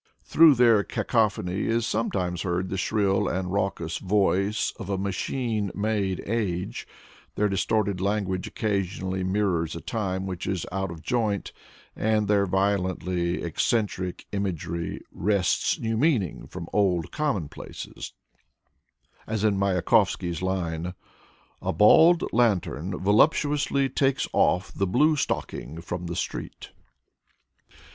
Through their cacophony is sometimes heard the shrill and raucous voice of a machine made age, their distorted language occasionally mirrors a time which is out of joint, and their violently eccentric imagery wrests new meanings from old commonplaces, as in Mayakovsky's line :" A bald lantern voluptuously takes off the blue stocking from the street."